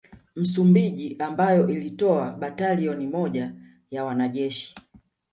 Msumbiji ambayo ilitoa batalioni moja ya wanajeshi